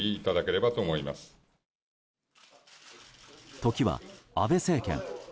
時は、安倍政権。